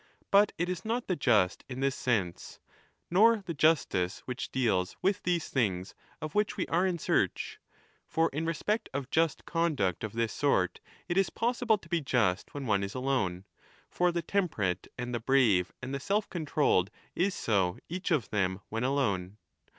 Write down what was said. But it is not the just in this sense, nor the justice which deals with these things, of which we are in search. For in respect of just conduct of this sort it is possible to be just when one is alone (for the temperate and the brave and the self controlled is so each of them 15 when alone).